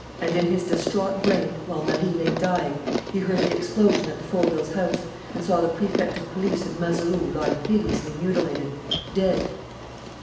And, in his distraught brain, while Marie lay dying, he heard the explosion at the Fauvilles' house and saw the Prefect of Police and Mazeroux lying hideously mutilated, dead.